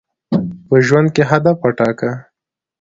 په ژوند کي هدف وټاکه.